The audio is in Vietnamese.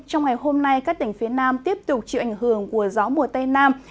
trong ngày hôm nay các tỉnh phía nam tiếp tục chịu ảnh hưởng của gió mùa tây nam